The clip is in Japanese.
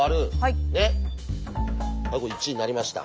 これ１になりました。